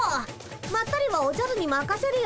まったりはおじゃるにまかせるよ。